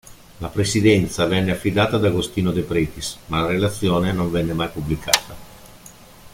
La presidenza venne affidata ad Agostino Depretis, ma la relazione non venne mai pubblicata.